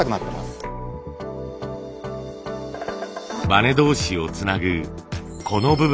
バネ同士をつなぐこの部分。